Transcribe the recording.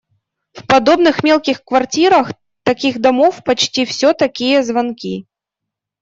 В подобных мелких квартирах таких домов почти всё такие звонки.